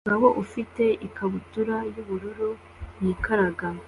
Umugabo ufite ikabutura yubururu yikaraga